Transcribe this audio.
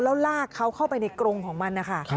แล้วลากเขาเข้าไปในกรงของมันนะคะ